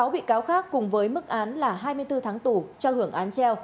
sáu bị cáo khác cùng với mức án là hai mươi bốn tháng tù cho hưởng án treo